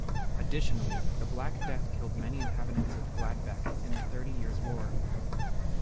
Additionally, the Black Death killed many inhabitants of Gladbeck in the Thirty Years' War.